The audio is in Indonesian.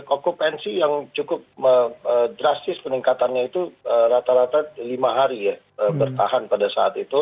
okupansi yang cukup drastis peningkatannya itu rata rata lima hari ya bertahan pada saat itu